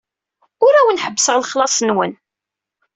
Ur awen-ḥebbseɣ lexlaṣ-nwen.